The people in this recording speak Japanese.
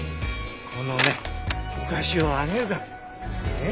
このねお菓子をあげるからね。